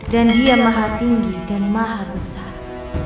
dan dia maha tinggi dan maha besar